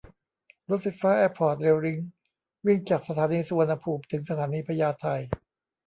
รถไฟฟ้าแอร์พอร์ตเรลลิงก์วิ่งจากสถานีสุวรรณภูมิถึงสถานีพญาไท